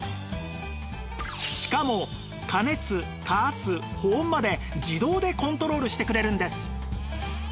しかも加熱加圧保温まで自動でコントロールしてくれるんです